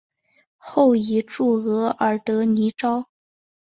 后移驻额尔德尼召。